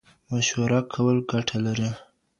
مشوره کول ګټه لري.